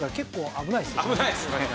危ないですね。